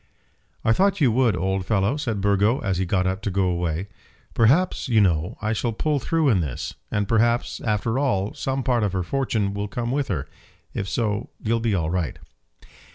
"I thought you would, old fellow," said Burgo, as he got up to go away. "Perhaps, you know, I shall pull through in this; and perhaps, after all, some part of her fortune will come with her. If so you'll be all right."